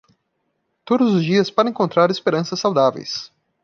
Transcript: Todos os dias para encontrar esperanças saudáveis